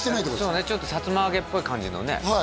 そうねさつま揚げっぽい感じのね